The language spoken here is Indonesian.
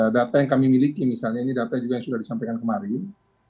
data yang kami miliki misalnya ini data juga yang sudah disampaikan kemarin